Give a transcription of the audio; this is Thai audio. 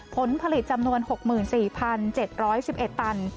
ผลผลิตจำนวน๖๔๗๑๑ตัน